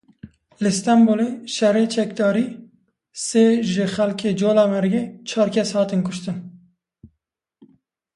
Li Stenbolê şerê çekdarî sê jê xelkê Colemêrgê çar kes hatin kuştin.